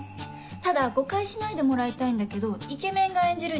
ただ誤解しないでもらいたいんだけどイケメンが演じる